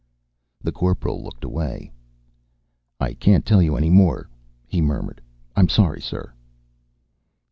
The Corporal looked away. "I can't tell you any more," he murmured. "I'm sorry, sir."